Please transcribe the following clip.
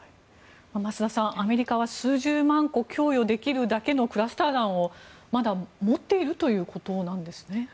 増田さん、アメリカは数十万個供与できるだけのクラスター弾をまだ持っているということなんですね。